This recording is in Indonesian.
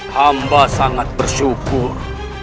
hamba sangat bersyukur